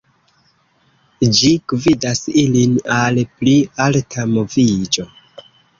Ĝi gvidas ilin al pli alta moviĝo.